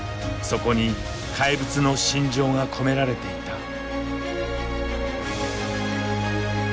そこに怪物の信条が込められていた。